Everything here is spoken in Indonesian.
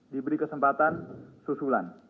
diberi kesempatan susulan